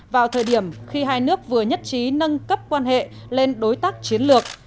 vào thời điểm khi hai nước vừa nhất trí nâng cấp quan hệ lên đối tác chiến lược